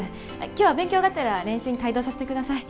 今日は勉強がてら練習に帯同させてください